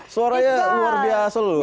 suaranya luar biasa loh